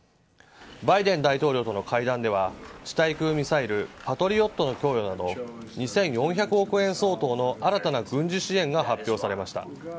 バイデン大統領との会談では地対空ミサイルパトリオットの供与など２４００億円相当の新たな軍事支援が発表されました。